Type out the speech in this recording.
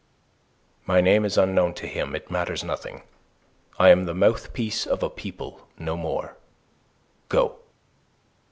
"My name is unknown to him; it matters nothing; I am the mouthpiece of a people, no more. Go."